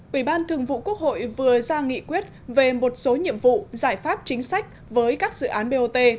ủy ban thường vụ quốc hội vừa ra nghị quyết về một số nhiệm vụ giải pháp chính sách với các dự án bot